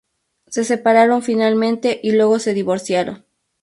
Se separaron finalmente y luego se divorciaron.